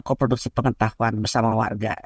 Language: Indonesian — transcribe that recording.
koproduksi pengetahuan bersama warga